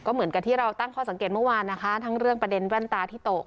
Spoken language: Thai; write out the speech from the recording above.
เหมือนกับที่เราตั้งข้อสังเกตเมื่อวานนะคะทั้งเรื่องประเด็นแว่นตาที่ตก